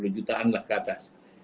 sepuluh jutaan lah ke atas